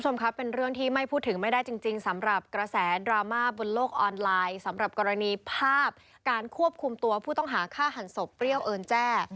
คุณผู้ชมครับเป็นเรื่องที่ไม่พูดถึงไม่ได้จริงสำหรับกระแสดราม่าบนโลกออนไลน์สำหรับกรณีภาพการควบคุมตัวผู้ต้องหาฆ่าหันศพเปรี้ยวเอิญแจ้